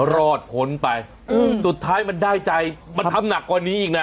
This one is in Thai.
รอดพ้นไปสุดท้ายมันได้ใจมันทำหนักกว่านี้อีกนะ